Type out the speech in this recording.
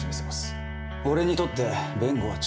俺にとって弁護は治療だ。